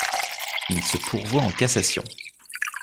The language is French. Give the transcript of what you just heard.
Il se pourvoit en cassation.